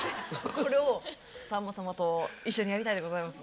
これをさんま様と一緒にやりたいでございます。